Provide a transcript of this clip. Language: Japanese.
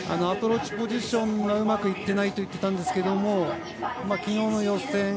アプローチポジションがうまくいっていないと言っていたんですけど昨日の予選